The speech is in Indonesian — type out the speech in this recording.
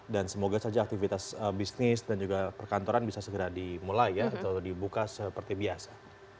dan semoga saja aktivitas bisnis dan perkantoran bisa dimulai seperti biasa